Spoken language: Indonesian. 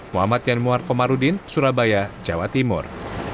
muhammad yan muar komarudin surabaya jawa timur